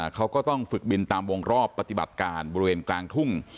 เขาก็ต้องฝึกบินตามวงรอบปฏิบัติการบริเวณกลางทุ่ง